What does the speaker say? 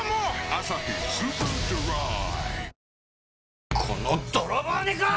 「アサヒスーパードライ」